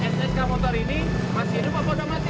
ssk motor ini masih hidup apa udah mati